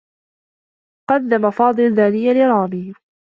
قدّم فاضل دانية لرامي.